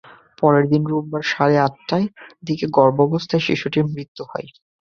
পরের দিন রোববার রাত সাড়ে আটটার দিকে গর্ভাবস্থায় শিশুটির মৃত্যু হয়।